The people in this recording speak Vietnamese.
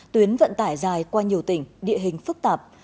tuyến vận tải dài qua nhiều tỉnh địa hình phức tạp